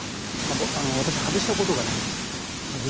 私は外したことがないんですけど。